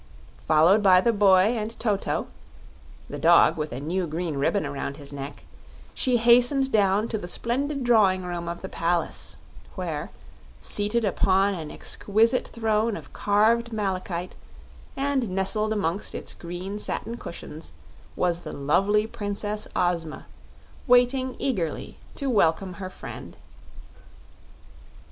Followed by the boy and Toto the dog with a new green ribbon around his neck she hastened down to the splendid drawing room of the palace, where, seated upon an exquisite throne of carved malachite and nestled amongst its green satin cushions was the lovely Princess Ozma, waiting eagerly to welcome her friend.